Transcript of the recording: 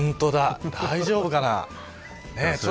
大丈夫かな。